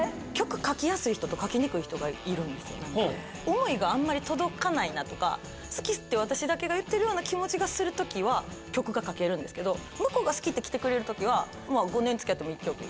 思いがあんまり届かないなとか好きって私だけが言ってるような気持ちがする時は曲が書けるんですけど向こうが好きって来てくれる時は５年付き合っても１曲とか。